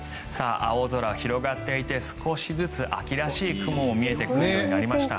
青空広がっていて少しずつ秋らしい雲も見えてくるようになりました。